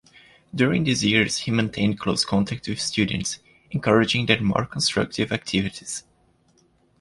During these years he maintained close contact with students, encouraging their more constructive activities.